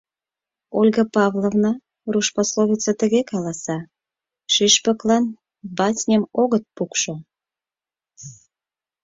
— Ольга Павловна, руш пословица тыге каласа: «Шӱшпыклан басньым огыт пукшо».